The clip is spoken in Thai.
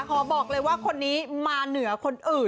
ขอบอกเลยว่าคนนี้มาเหนือคนอื่น